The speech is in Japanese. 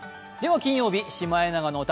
金曜日、「シマエナガの歌」